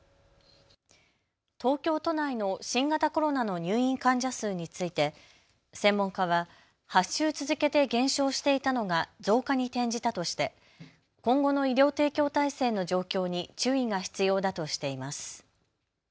東京都内の新型コロナの入院患者数について専門家は８週続けて減少していたのが増加に転じたとして今後の医療提供体制の状況に注意が必要だとしています。